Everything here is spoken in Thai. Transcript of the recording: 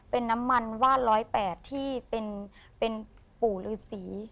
เป็นน้ำมันวาด๑๐๘ที่เป็นปู่ฤษี